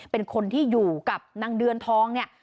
เป็นคนที่อยู่กับนางเดือนทองเนี่ย